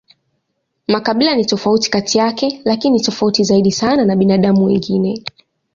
Makabila ni tofauti kati yake, lakini ni tofauti zaidi sana na binadamu wengine.